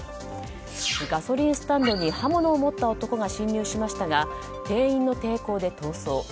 ガソリンスタンドに刃物を持った男が侵入しましたが店員の抵抗で逃走。